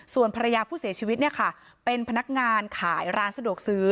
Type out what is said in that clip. ส่วนภรรยาผู้เสียชีวิตเนี่ยค่ะเป็นพนักงานขายร้านสะดวกซื้อ